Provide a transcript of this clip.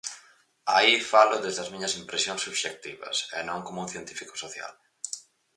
Aí falo desde as miñas impresións subxectivas e non como un científico social.